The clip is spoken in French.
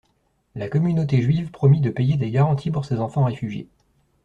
La communauté juive promit de payer des garanties pour ces enfants réfugiés.